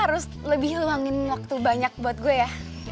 lo harus lebih hilangin waktu banyak buat gue ya